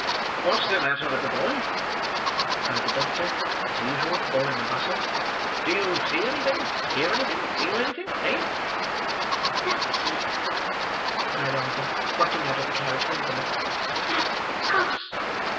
"What's the matter with the boy?" cried the doctor, as usual, all in a bustle. "Do you see anything—hear anything—feel anything—eh?" "That, sir," cried Oliver, pointing out of the carriage window. "That house!"